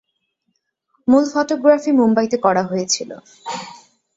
মূল ফটোগ্রাফি মুম্বাই তে করা হয়েছিল।